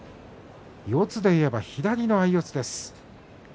四つでいえば左の相四つです。